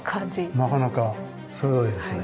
なかなか鋭いですね。